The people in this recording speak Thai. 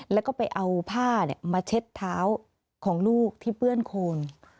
แล้วก็ไปเอาผ้ามาเช็ดเท้าของลูกที่เปื้อนโคน